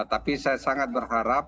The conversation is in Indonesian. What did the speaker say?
tapi saya sangat berharap